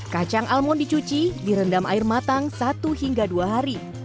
kacang almon dicuci direndam air matang satu hingga dua hari